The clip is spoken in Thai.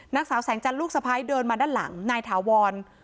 นางสาวแสงจันทร์ลูกสะพ้ายเดินมาด้านหลังนายถาวร